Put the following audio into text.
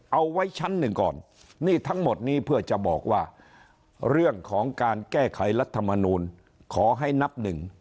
เอาไว้ชั้นหนึ่งก่อนนี่ทั้งหมดนี้เพื่อจะบอกว่าเรื่องของการแก้ไขรัฐมนูลขอให้นับหนึ่ง